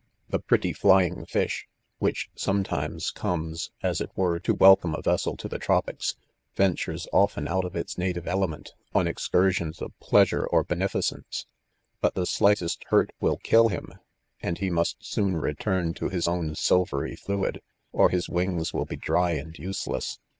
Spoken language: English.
. The. prettj flying fist, which sometimes. eomes ? as it ware, to welcome & vessel to the tropics^ ventures often out ©if. its native element* on excursions of pleasure or beaeficence ; kit the slightest hart will kill him s ami he HgEF&CE* :XF mpst $odn retina $o\ his own silvery Jkiid r ©E Ms"wings <wlll.be. dry. sad ''Useless.